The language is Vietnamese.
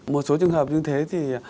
một số trường hợp như thế thì